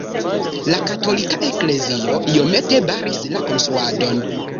La katolika eklezio iomete baris la konstruadon.